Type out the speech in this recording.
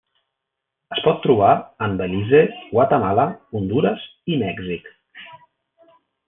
Es pot trobar en Belize, Guatemala, Hondures i Mèxic.